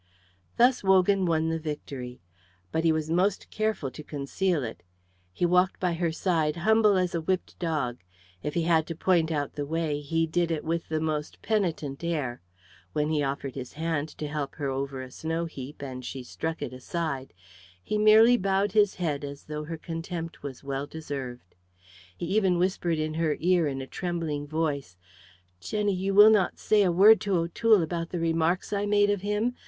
Thus Wogan won the victory. But he was most careful to conceal it. He walked by her side humble as a whipped dog. If he had to point out the way, he did it with the most penitent air; when he offered his hand to help her over a snow heap and she struck it aside, he merely bowed his head as though her contempt was well deserved. He even whispered in her ear in a trembling voice, "Jenny, you will not say a word to O'Toole about the remarks I made of him?